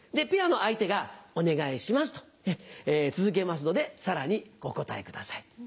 ペアの相手が「お願いします」と続けますのでさらにお答えください。